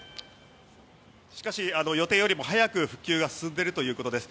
しかし、予定よりも早く復旧が進んでいるということです。